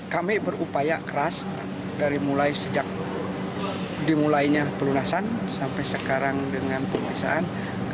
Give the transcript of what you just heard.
kami berupaya keras dari mulai sejak dimulainya pelunasan sampai sekarang dengan penguasaan